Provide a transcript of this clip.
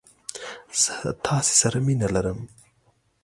زه تاسې سره مينه ارم!